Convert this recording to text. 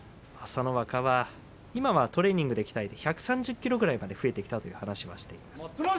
朝乃若は今はトレーニングで鍛えて１３０ｋｇぐらいまで増えてきたという話をしていました。